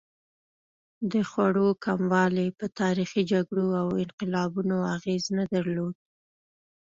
د خوړو کموالی په تاریخي جګړو او انقلابونو اغېز نه درلود.